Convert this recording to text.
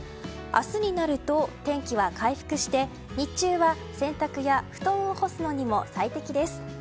明日になると、天気は回復して日中は洗濯や布団を干すのにも最適です。